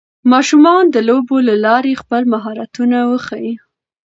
ماشومان د لوبو له لارې خپل مهارتونه وښيي